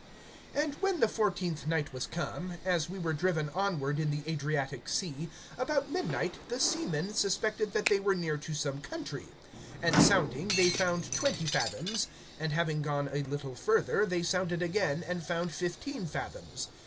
(27)And when the fourteenth night was come, as we were driven onward in the Adriatic sea, about midnight the seamen suspected that they were near to some country; (28)and sounding, they found twenty fathoms; and having gone a little further, they sounded again, and found fifteen fathoms.